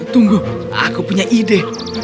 tunggu aku punya ide